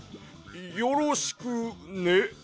よろしくね。